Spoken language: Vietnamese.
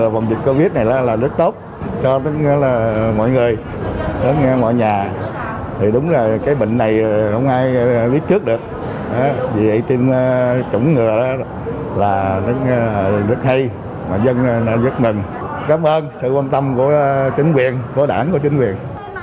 vì vậy tiêm chủng là rất hay dân giúp mình cảm ơn sự quan tâm của chính quyền của đảng của chính quyền